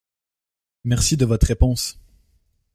Merci de votre réponse.